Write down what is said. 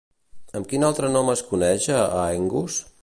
Amb quin altre nom es coneix a Aengus?